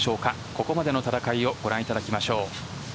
ここまでの戦いをご覧いただきましょう。